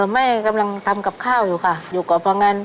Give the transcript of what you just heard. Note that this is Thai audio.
แม่กำลังทำกับข้าวอยู่ค่ะอยู่กับพงั้น